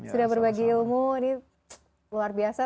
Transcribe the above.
sudah berbagi ilmu ini luar biasa